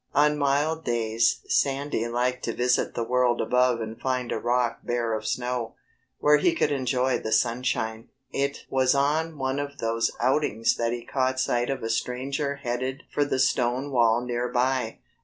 On mild days Sandy liked to visit the world above and find a rock bare of snow, where he could enjoy the sunshine. It was on one of those outings that he caught sight of a stranger headed for the stone wall near by.